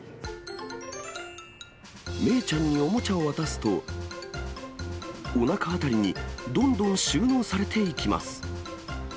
メイちゃんにおもちゃを渡すと、おなか辺りにどんどん収納されていきます。